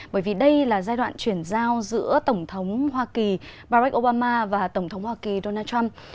bởi vì đây là giai đoạn chuyển giao giữa tổng thống hoa kỳ barack obama và tổng thống hoa kỳ donald trump